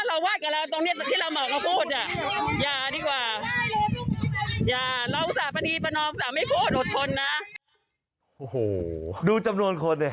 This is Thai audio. โอ้โหดูจำนวนคนดิ